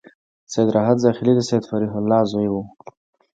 سید راحت زاخيلي د سید فریح الله زوی و.